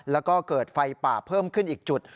แล้วก็เกิดไฟป่าเพิ่มขึ้นอีกจุด